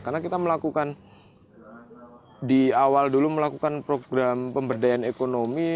karena kita melakukan di awal dulu melakukan program pemberdayaan ekonomi